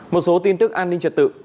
một số tin tức an ninh trật tự